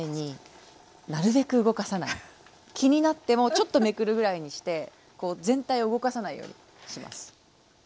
気になってもちょっとめくるぐらいにして全体を動かさないようにします。